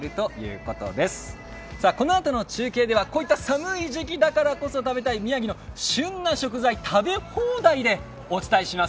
このあとの中継では、こういった寒い時期だからこそ食べたい宮城の旬な食材、食べ放題でお伝えします。